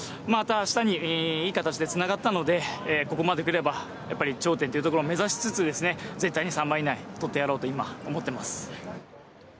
明日にいい形で繋がったので、ここまでくれば頂点を目指しつつ、絶対に３番以内を取ってやろうと思っています。